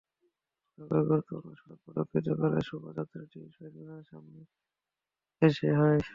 নগরের গুরুত্বপূর্ণ সড়ক প্রদক্ষিণ করে শোভাযাত্রাটি শহীদ মিনারের সামনে এসে শেষ হয়।